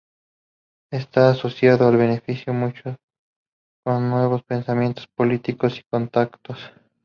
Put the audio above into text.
Esta asociación la benefició mucho con nuevos pensamientos políticos y contactos.